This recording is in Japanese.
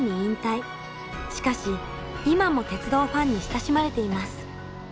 しかし今も鉄道ファンに親しまれています。